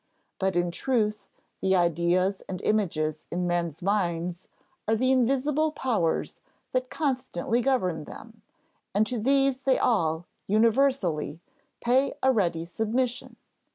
But in truth the ideas and images in men's minds are the invisible powers that constantly govern them, and to these they all, universally, pay a ready submission.